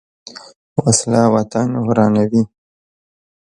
وسله وطن ورانوي